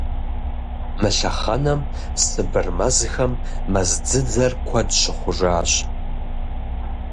Мы лъэхъэнэм Сыбыр мэзхэм мэз дзыдзэр куэд щыхъужащ.